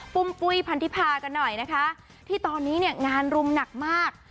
ปุ้ยพันธิพากันหน่อยนะคะที่ตอนนี้เนี่ยงานรุมหนักมาก